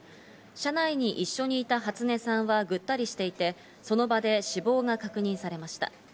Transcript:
車内に一緒にいた初音さんはぐったりしていて、その場所で死亡が確認されました。